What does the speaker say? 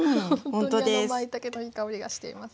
ほんとにまいたけのいい香りがしています。